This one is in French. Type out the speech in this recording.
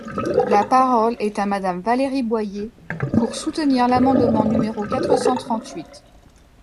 La parole est à Madame Valérie Boyer, pour soutenir l’amendement numéro quatre cent trente-huit.